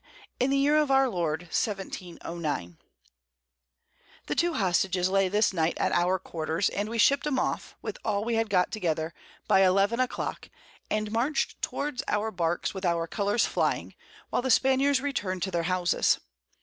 in the Year of our Lord, 1709." [Sidenote: At Guiaquil.] The two Hostages lay this Night at our Quarters, and we ship'd 'em off, with all we had got together, by 11 a Clock, and march'd towards our Barks with our Colours flying, while the Spaniards return'd to their Houses.